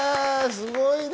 すごいね。